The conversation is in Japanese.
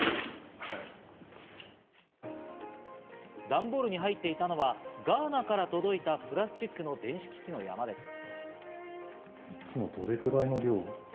段ボールに入っていたのはガーナから届いたプラスチックの電子機器の山です。